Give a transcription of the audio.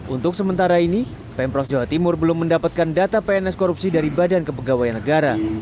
untuk sementara ini pemprov jawa timur belum mendapatkan data pns korupsi dari badan kepegawaian negara